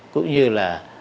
cũng như là